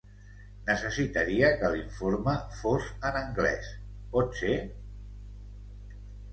Necessitaria que l'informe fos en anglès, pot ser?